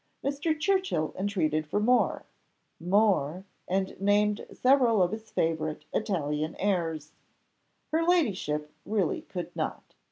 Mr. Churchill entreated for more more and named several of his favourite Italian airs. Her ladyship really could not.